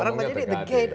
orang pada jadi the gate